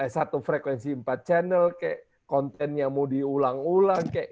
satu frekuensi empat channel kayak kontennya mau diulang ulang